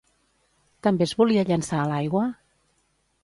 També es volia llençar a l'aigua?